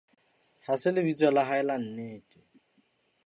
Ha se lebitso la hae la nnete.